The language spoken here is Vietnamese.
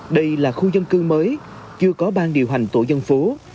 đây là khu dân cư mới chưa có ban điều hành tổ dân phố